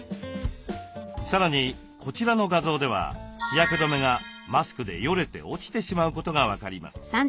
さらにこちらの画像では日焼け止めがマスクでよれて落ちてしまうことが分かります。